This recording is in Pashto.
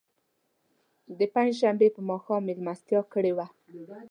د پنج شنبې په ماښام میلمستیا کړې وه.